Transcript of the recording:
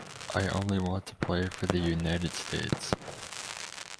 I only want to play for the United States.